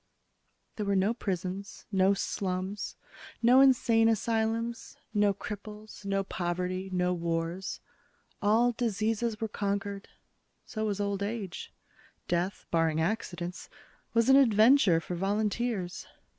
There were no prisons, no slums, no insane asylums, no cripples, no poverty, no wars. All diseases were conquered. So was old age. Death, barring accidents, was an adventure for volunteers.